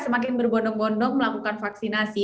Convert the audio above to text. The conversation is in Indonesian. semakin bergondong gondong melakukan vaksinasi